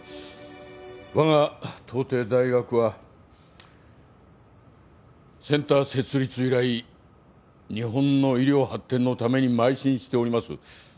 我が東帝大学はセンター設立以来日本の医療発展のために邁進しております。